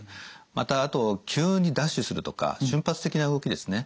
またあと急にダッシュするとか瞬発的な動きですね。